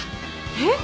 えっ！？